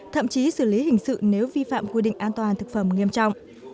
thậm chí xử lý hình sự nếu vi phạm quy định an toàn thực phẩm nghiêm trọng